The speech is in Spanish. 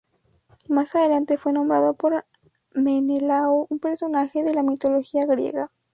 Más adelante fue nombrado por Menelao, un personaje de la mitología griega.